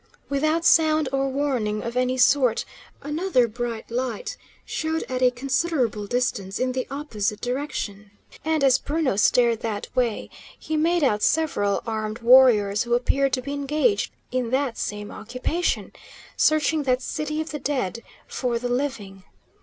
Without sound or warning of any sort, another bright light showed at a considerable distance in the opposite direction, and, as Bruno stared that way, he made out several armed warriors who appeared to be engaged in that same occupation: searching that city of the dead for the living!